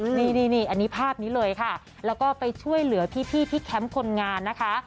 นี่อันนี้ภาพนี้เลยค่ะแล้วก็ไปช่วยเหลือพี่ที่แคมป์คนงานนะคะ